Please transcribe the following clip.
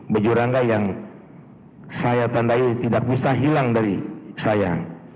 baju rangga yang saya tandai tidak bisa hilang dari saya